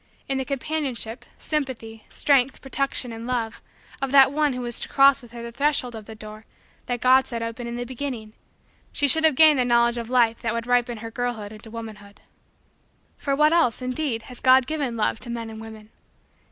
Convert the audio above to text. In the companionship, sympathy, strength, protection, and love, of that one who was to cross with her the threshold of the door that God set open in the beginning, she should have gained the knowledge of life that would ripen her girlhood into womanhood. For what else, indeed, has God given love to men and women?